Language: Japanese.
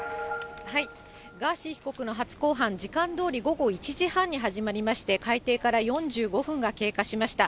ガーシー被告の初公判、時間どおり午後１時半に始まりまして、開廷から４５分が経過しました。